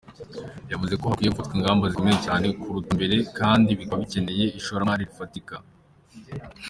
Yavuze ko hakwiye gufatwa ingamba zikomeye cyane kuruta mbere kandi bikaba bikeneye ishoramari rifatika.